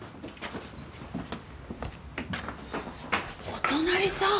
お隣さん！？